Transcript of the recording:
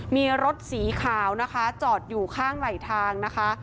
มีรถสีขาวนะคะจอดอยู่ข้างไหลทางนะคะ